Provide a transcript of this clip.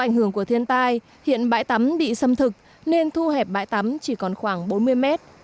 ảnh hưởng của thiên tai hiện bãi tắm bị xâm thực nên thu hẹp bãi tắm chỉ còn khoảng bốn mươi mét